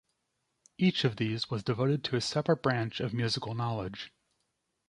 Each of these was devoted to a separate branch of musical knowledge.